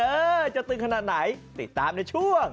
เออจะตึงขนาดไหนติดตามในช่วง